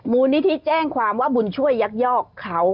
มูลนิธิแจ้งความว่าบุญช่วยยักยอกเขา